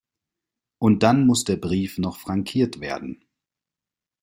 Und dann muss der Brief noch frankiert werden.